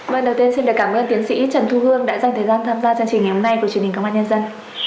vâng đầu tiên xin được cảm ơn tiến sĩ trần thu hương đã dành thời gian tham gia chương trình ngày hôm nay của truyền hình công an nhân dân